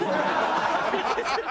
ハハハハ！